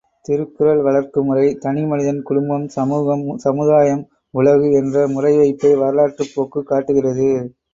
திருக்குறள் வளர்க்கும் முறை தனிமனிதன் குடும்பம் சமூகம் சமுதாயம் உலகு என்ற முறைவைப்பை வரலாற்றுப் போக்கு காட்டுகிறது.